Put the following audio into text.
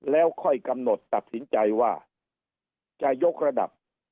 แล้วค่อยกำหนดตัดสินใจว่าจะยกระดับ